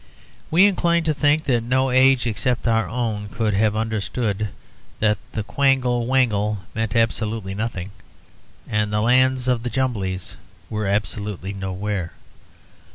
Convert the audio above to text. We incline to think that no age except our own could have understood that the Quangle Wangle meant absolutely nothing, and the Lands of the Jumblies were absolutely nowhere.